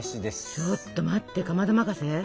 ちょっと待ってかまど任せ？